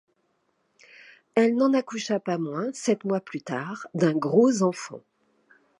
Elle n’en accoucha pas moins sept mois plus tard d’un gros enfant.